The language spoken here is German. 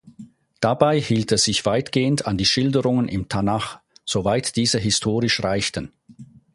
Dabei hielt er sich weitgehend an die Schilderungen im Tanach, soweit diese historisch reichten.